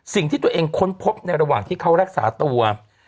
สิ่งที่ตัวเองค้นพบในระหว่างที่เขารักษาตัว